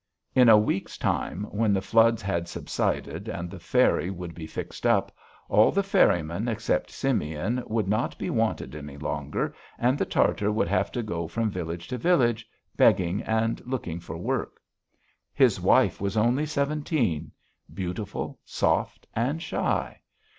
In a week's time, when the floods had subsided and the ferry would be fixed up, all the ferrymen except Simeon would not be wanted any longer and the Tartar would have to go from village to village, begging and looking for work. His wife was only seventeen; beautiful, soft, and shy....